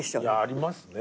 ありますね。